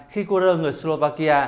khi quân đội người slovakia